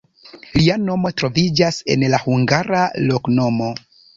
Lia nomo troviĝas en la hungara loknomo.